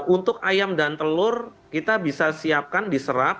untuk ayam dan telur kita bisa siapkan diserap